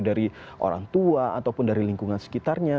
dari orang tua ataupun dari lingkungan sekitarnya